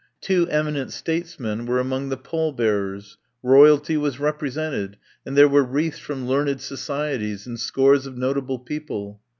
Two eminent statesmen were among the pallbearers, Roy alty was represented, and there were wreaths from learned societies and scores of notable people.